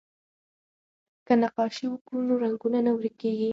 که نقاشي وکړو نو رنګونه نه ورکيږي.